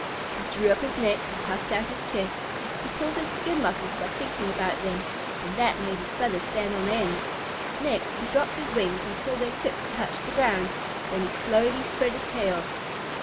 He drew up his neck and puffed out his chest; he pulled his skin muscles by thinking about them, and that made his feathers stand on end; next he dropped his wings until their tips touched the ground; then he slowly spread his tail.